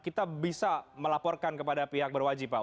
kita bisa melaporkan kepada pihak berwajib pak